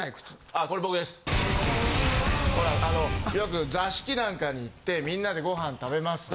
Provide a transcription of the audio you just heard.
あのよく座敷なんかに行ってみんなでご飯食べます。